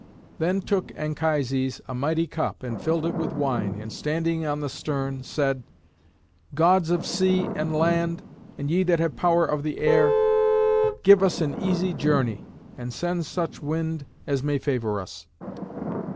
Then took Anchises a mighty cup, and filled it with wine, and, standing on the stern, said, "Gods of sea and land, and ye that have power of the air, give us an easy journey, and send such winds as may favour us."